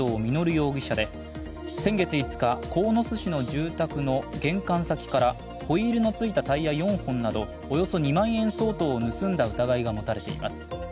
容疑者で先月５日、鴻巣市の住宅の玄関先からホイールのついたタイヤ４本などおよそ２万円相当を盗んだ疑いが持たれています。